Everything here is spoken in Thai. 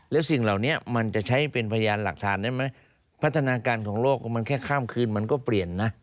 แล้วสิ่งเหล่านี้มันจะใช้เป็นพยานหลักฐานได้ไหมพัฒนาการของโลกมันแค่ข้ามคืนมันก็เปลี่ยนนะ